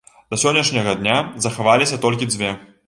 Да сённяшняга дня захаваліся толькі дзве.